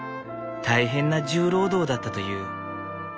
大変な重労働だったという。